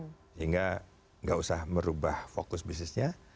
sehingga nggak usah merubah fokus bisnisnya